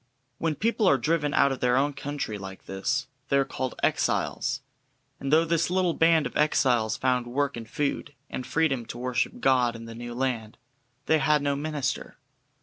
When people are driven out of their own country like this, they are called "exiles," and though this little band of exiles found work and food, and freedom to worship God in the new land, they had no minister.